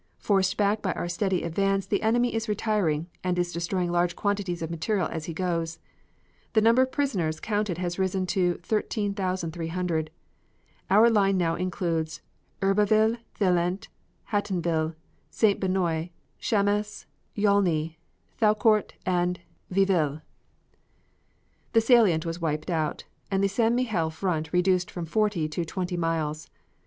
Forced back by our steady advance the enemy is retiring, and is destroying large quantities of material as he goes. The number of prisoners counted has risen to 13,300. Our line now includes Herbeville, Thillet, Hattonville, St. Benoit, Xammes, Jaulny, Thiaucourt and Vieville." The salient was wiped out, and the St. Mihiel front reduced from forty to twenty miles.